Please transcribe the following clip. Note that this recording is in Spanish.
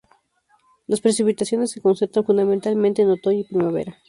Las precipitaciones se concentran fundamentalmente en otoño y primavera.